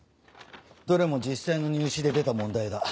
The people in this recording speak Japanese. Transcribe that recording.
どれも実際の入試で出た問題だ